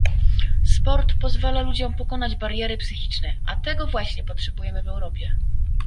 Sport pozwala ludziom pokonać bariery psychiczne, a tego właśnie potrzebujemy w Europie